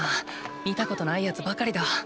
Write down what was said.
見たことないやつばかりだ！